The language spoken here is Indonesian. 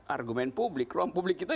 argumen publik ruang publik kita